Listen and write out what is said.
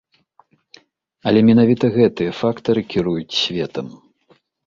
Але менавіта гэтыя фактары кіруюць светам.